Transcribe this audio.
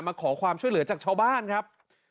มาขอความช่วยเหลือจากชาวบ้านครับ